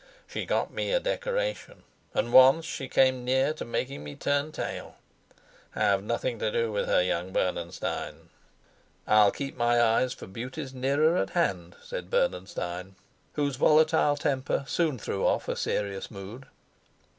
She got me a decoration, and once she came near to making me turn tail. Have nothing to do with her, young Bernenstein." "I'll keep my eyes for beauties nearer at hand," said Bernenstein, whose volatile temper soon threw off a serious mood.